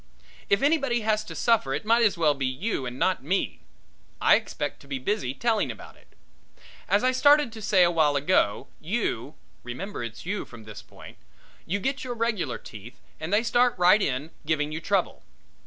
If anybody has to suffer it might as well be you and not me; I expect to be busy telling about it. As I started to say awhile ago, you remember it's you from this point you get your regular teeth and they start right in giving you trouble.